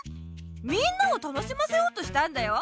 みんなを楽しませようとしたんだよ？